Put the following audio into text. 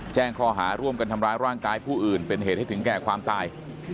แจ้งข้อหาร่วมกันทำร้ายร่างกายผู้อื่นเป็นเหตุให้ถึงแก่ความตาย